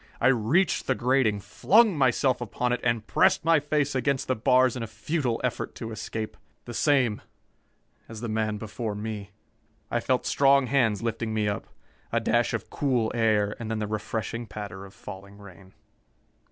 I reached the grating, flung myself upon it and pressed my face against the bars in a futile effort to escape. The same as the fear tortured man who had come before me. I felt strong hands lifting me up. A dash of cool air, and then the refreshing patter of falling rain.